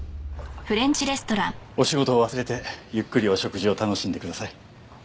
お仕事を忘れてゆっくりお食事を楽しんでください。